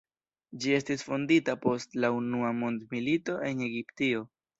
Ĝi estis fondita post la unua mondmilito en Egiptio.